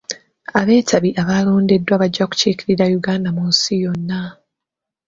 Abeetabi abalondeddwa bajja kukiikirira Uganda mu nsi yonna.